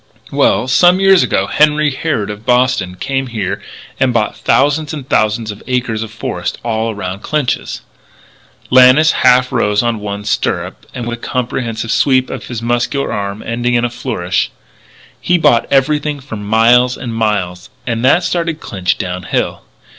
Well, some years ago Henry Harrod, of Boston, came here and bought thousands and thousands of acres of forest all around Clinch's " Lannis half rose on one stirrup and, with a comprehensive sweep of his muscular arm, ending in a flourish: " He bought everything for miles and miles. And that started Clinch down hill.